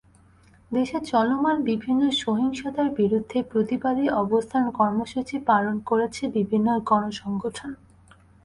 দেশে চলমান বিভিন্ন সহিংসতার বিরুদ্ধে প্রতিবাদী অবস্থান কর্মসূচি পালন করেছে বিভিন্ন গণসংগঠন।